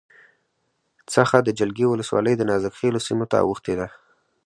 څخه د جلگې ولسوالی دنازک خیلو سیمې ته اوښتې ده